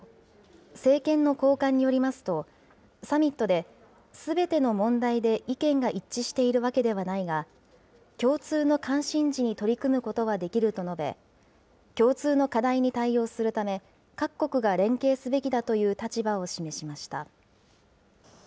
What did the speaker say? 政権の高官によりますと、サミットですべての問題で意見が一致しているわけではないが、共通の関心事に取り組むことはできると述べ、共通の課題に対応するため、各国が連携すべきだという立場を示しました。